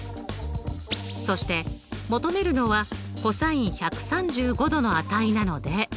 そして求めるのはｃｏｓ１３５°の値なので。